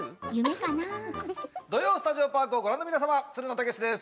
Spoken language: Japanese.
土曜スタジオパークをご覧の皆様、つるの剛士です。